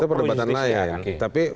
itu perdebatan layak